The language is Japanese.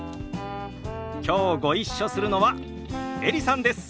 きょうご一緒するのはエリさんです。